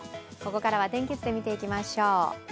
ここからは天気図で見ていきましょう。